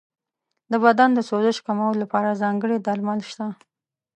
د بدن د سوزش کمولو لپاره ځانګړي درمل شته.